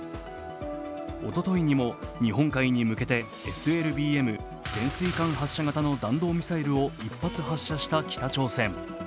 おとといにも日本海に向けてＳＬＢＭ＝潜水艦発射型の弾道ミサイルを１発発射した北朝鮮。